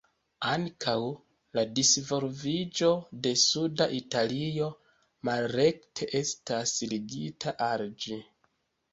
Ankaŭ la disvolviĝo de suda Italio malrekte estas ligita al ĝi.